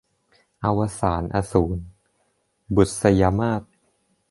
อวสานอสูร - บุษยมาส